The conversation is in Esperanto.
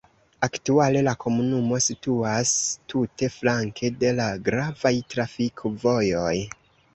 Aktuale la komunumo situas tute flanke de la gravaj trafikvojoj.